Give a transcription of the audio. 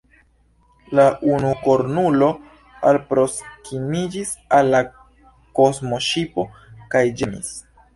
La unukornulo alproskimiĝis al la kosmoŝipo kaj ĝemis.